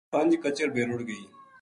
پنج کچر بے رُڑھ گئی